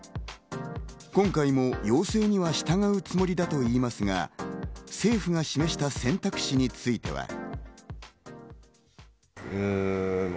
今回も要請には従うつもりだといいますが、政府が示した選択肢については。